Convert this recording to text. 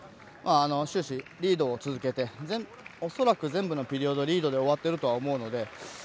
終始、リードを続けて恐らく全部のピリオドリードで終わってるとは思うので。